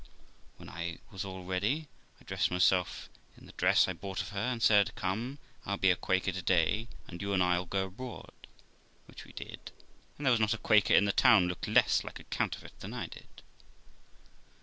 When all was ready I dressed myself in the dress I bought of her, and said, 'Come, I'll be a Quaker to day, and you and I'll go abroad'; which we did, and there was not a Quaker in the town looked less like a counterfeit than I did.